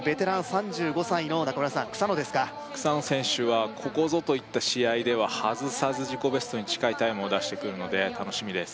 ３５歳の中村さん草野ですか草野選手はここぞといった試合では外さず自己ベストに近いタイムを出してくるので楽しみです